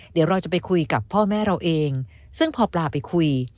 เดี๋ยวเราจะไปคุยกับพ่อแม่เราเองซึ่งพอปลาไปคุย